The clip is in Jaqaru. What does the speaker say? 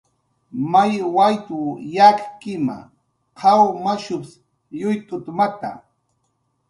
"May wayt""w yakkima, qaw mashups yuyt'utmata"